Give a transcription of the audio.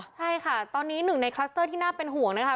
ใช่ค่ะตอนนี้หนึ่งในคลัสเตอร์ที่น่าเป็นห่วงนะคะ